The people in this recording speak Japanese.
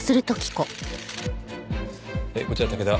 こちら竹田。